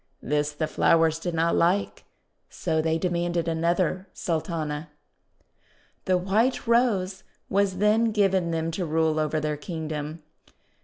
This the flowers did not like, so they demanded another Sultana. The White Rose was then given them to rule over their Kingdom.